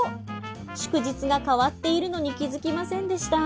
祝日が変わっているのに気付きませんでした。